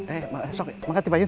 eh sok makasih pak yun